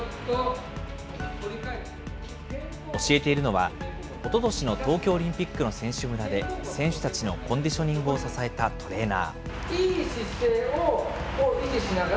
教えているのは、おととしの東京オリンピックの選手村で、選手たちのコンディショニングを支えたトレーナー。